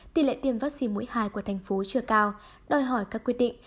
tỷ lệ tiêm vaccine mũi hai của thành phố chưa cao đòi hỏi các quyết định